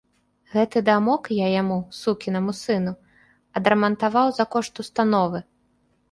Гэты дамок я яму, сукінаму сыну, адрамантаваў за кошт установы.